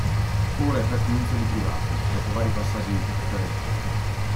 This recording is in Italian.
Ora è pertinenza di privati, dopo vari passaggi di proprietà nel tempo.